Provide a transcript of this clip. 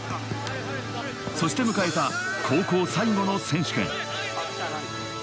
そして迎えた高校最後の選手権。